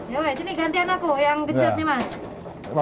ya weh sini gantian aku yang genjot nih mas